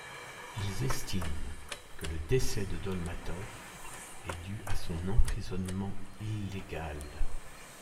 Ils estiment que le décès de Dolmatov est dû à son emprisonnement illégal.